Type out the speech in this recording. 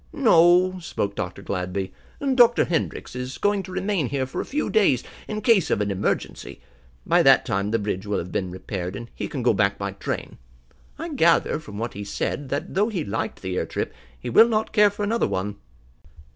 "No," spoke Dr. Gladby, "Dr. Hendrix is going to remain here for a few days, in case of an emergency. By that time the bridge will have been repaired, and he can go back by train. I gather, from what he said, that though he liked the air trip, he will not care for another one."